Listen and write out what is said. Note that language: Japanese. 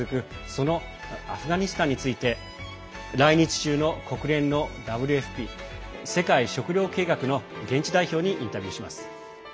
そのアフガニスタンについて来日中の国連のＷＦＰ＝世界食糧計画の現地代表にインタビューします。